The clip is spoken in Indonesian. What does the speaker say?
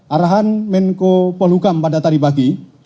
arahan menko polukam pada pagi tadi